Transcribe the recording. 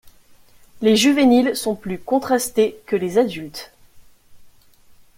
Les juvéniles sont plus contrastés que les adultes.